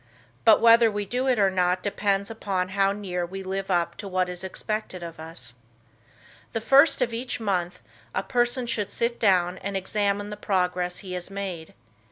But whether we do it or not depends upon how near we live up to what is expected of us. The first of each month, a person should sit down and examine the progress he has made.